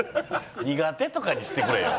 「苦手」とかにしてくれよ。